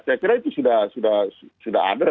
saya kira itu sudah ada